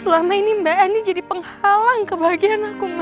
selama ini mbak anin jadi penghalang kebahagiaan aku ma